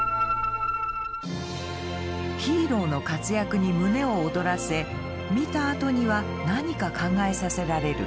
ヒーローの活躍に胸を躍らせ見たあとには何か考えさせられる。